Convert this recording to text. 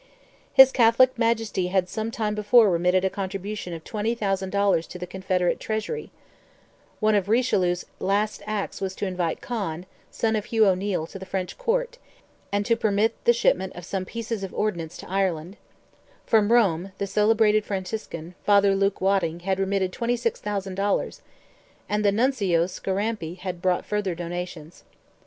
His Catholic Majesty had some time before remitted a contribution of 20,000 dollars to the Confederate Treasury; one of Richelieu's last acts was to invite Con, son of Hugh O'Neil, to the French Court, and to permit the shipment of some pieces of ordnance to Ireland; from Rome, the celebrated Franciscan, Father Luke Wadding, had remitted 26,000 dollars, and the Nuncio Scarampi had brought further donations.